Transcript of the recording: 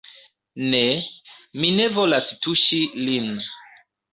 Ne, mi ne volas tuŝi lin!